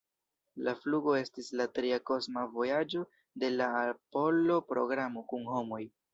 La flugo estis la tria kosma vojaĝo de la Apollo-programo kun homoj.